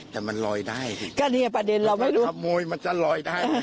แต่มันลอยได้สิขโมยมันจะลอยได้